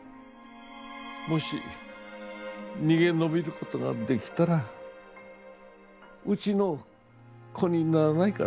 「もし逃げ延びることができたらうちの子にならないか」